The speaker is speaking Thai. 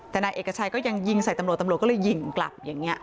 แต่นายเอกชัยก็ยังยิงใส่ตำรวจตำรวจก็เลยยิงกลับอย่างนี้